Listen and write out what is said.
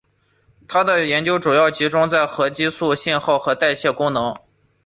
他的研究主要集中在核激素信号和代谢的功能。